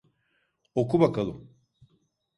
Oku bakalım.